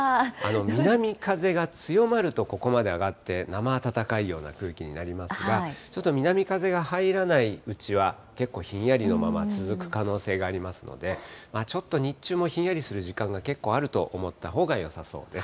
南風が強まるとここまで上がって、生暖かいような空気になりますが、ちょっと南風が入らないうちは、結構ひんやりのまま続く可能性がありますので、ちょっと日中もひんやりする時間が結構あると思ったほうがよさそうです。